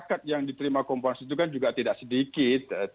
masyarakat yang diterima kompos itu kan juga tidak sedikit